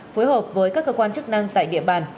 phối hợp với các cơ quan chức năng tại địa bàn